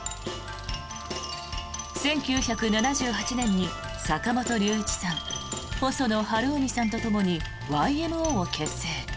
１９７８年に、坂本龍一さん細野晴臣さんとともにＹＭＯを結成。